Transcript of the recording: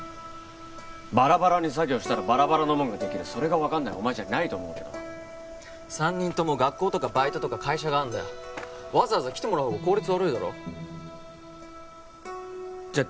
バラバラに作業したらバラバラのもんができるそれが分かんないお前じゃないと思うけどな三人とも学校とかバイトとか会社があるんだよわざわざ来てもらうほうが効率悪いだろじゃ